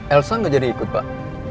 elsa gak jadi ikut pak